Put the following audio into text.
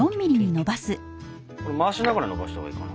これ回しながらのばしたほうがいいかな。